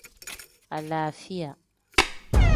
Alaafiya.